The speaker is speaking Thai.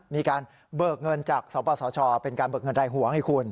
มีการเบิกเงินจากสปสชเป็นการเบิกเงินรายหัวไงคุณ